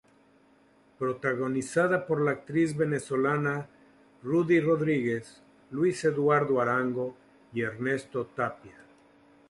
Protagonizada por la actriz venezolana Ruddy Rodríguez, Luis Eduardo Arango y Ernesto Tapia.